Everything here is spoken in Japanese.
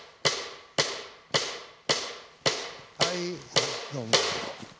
はいどうも。